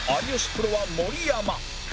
プロは盛山